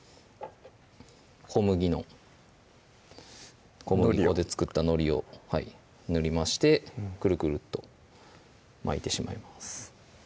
小麦の小麦粉で作ったのりを塗りましてクルクルッと巻いてしまいます